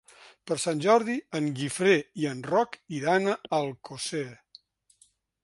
Per Sant Jordi en Guifré i en Roc iran a Alcosser.